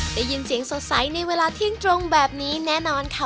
ได้ยินเสียงสดใสในเวลาเที่ยงตรงแบบนี้แน่นอนค่ะ